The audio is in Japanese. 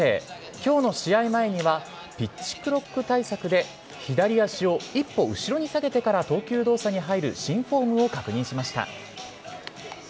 きょうの試合前にはピッチクロック対策で左足を一歩後ろに下げてから投球動作に入る新フォームを確認しました。